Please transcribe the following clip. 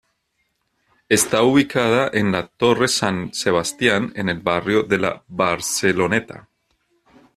Está ubicada en la Torre San Sebastián en el barrio de la Barceloneta.